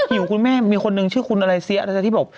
หิวคุณแม่มีคนหนึ่งชื่อคุณอะไรเสียนะจ๊ที่บอก